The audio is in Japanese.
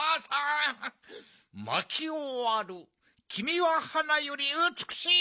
「まきをわるきみははなよりうつくしい」。